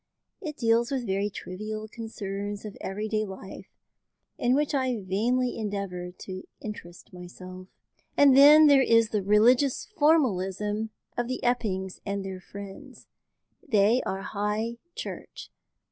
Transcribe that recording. It deals with very trivial concerns of everyday life, in which I vainly endeavour to interest myself. "Then there is the religious formalism of the Eppings and their friends. They are High Church.